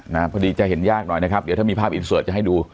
นะพอดีจะเห็นยากหน่อยนะครับเดี๋ยวถ้ามีภาพจะให้ดู